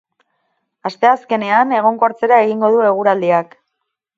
Asteazkenean, egonkortzera egingo du eguraldiak.